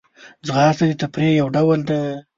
ځغاسته د تفریح یو ډول دی